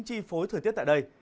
chi phối thời tiết tại đây